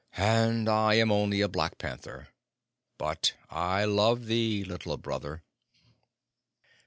"And I am only a black panther. But I love thee, Little Brother."